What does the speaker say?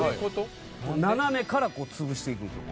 斜めから潰していくんですよ